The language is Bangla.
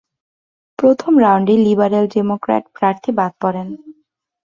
প্রথম রাউন্ডে লিবারেল ডেমোক্র্যাট প্রার্থী বাদ পড়েন।